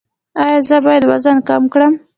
ایا زه باید وزن کم کړم؟